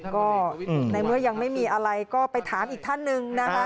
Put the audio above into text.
ก็ในเมื่อยังไม่มีอะไรก็ไปถามอีกท่านหนึ่งนะคะ